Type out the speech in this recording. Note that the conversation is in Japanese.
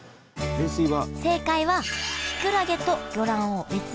冷水は。